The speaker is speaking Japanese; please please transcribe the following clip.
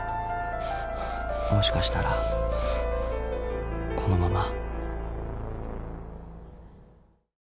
［もしかしたらこのまま］